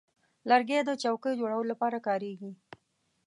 لرګی د چوکۍ جوړولو لپاره کارېږي.